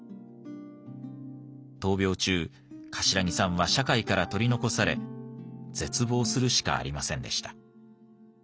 闘病中頭木さんは社会から取り残され絶望するしかありませんでした。